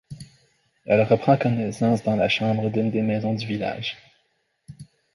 Elle reprend connaissance dans la chambre d'une des maisons du village.